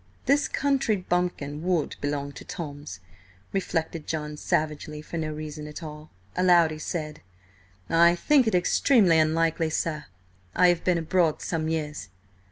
This country bumpkin would belong to Tom's, reflected John savagely, for no reason at all. Aloud he said: "I think it extremely unlikely, sir. I have been abroad some years."